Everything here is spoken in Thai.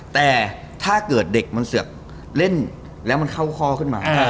แต่ถ้าเกิดเด็กมันเสือกเล่นแล้วมันเข้าข้อขึ้นมา